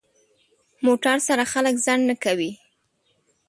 موټر سره خلک ځنډ نه کوي.